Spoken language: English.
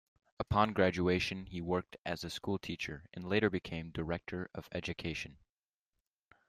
Upon graduation, he worked as a school teacher and later became Director of Education.